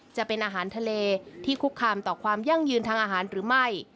จะเป็นอาหารทะเลที่คุกคามต่อความยั่งยืนทางอาหารหรือไม่